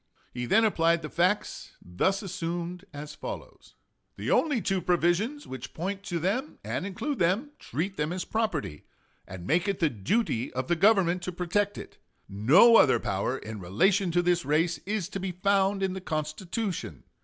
He then applied the facts thus assumed as follows: Ibid., pp. 425 6. The only two provisions which point to them and include them treat them as property, and make it the duty of the Government to protect it; no other power in relation to this race is to be found in the Constitution....